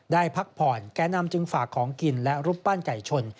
พักผ่อนแก่นำจึงฝากของกินและรูปปั้นไก่ชน